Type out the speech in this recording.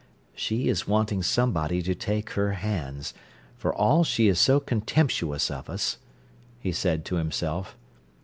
"She is wanting somebody to take her hands—for all she is so contemptuous of us," he said to himself.